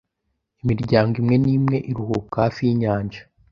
Imiryango imwe nimwe iruhuka hafi yinyanja.